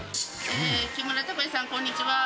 木村拓哉さん、こんにちは。